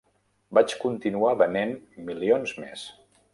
Vaig continuar venent milions més.